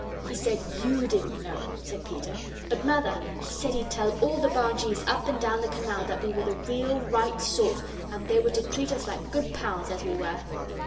"He said YOU didn't know," said Peter; "but, Mother, he said he'd tell all the bargees up and down the canal that we were the real, right sort, and they were to treat us like good pals, as we were."